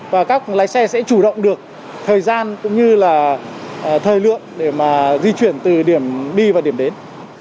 và các lái xe sẽ chủ động được thời gian cũng như là thời lượng để mà di chuyển từ điểm đi và điểm đến